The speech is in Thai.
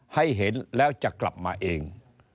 ให้เห็นแล้วจะกลับมาเอง